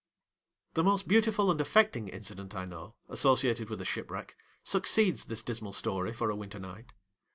The most beautiful and affecting incident I know, associated with a shipwreck, succeeds this dismal story for a winter night.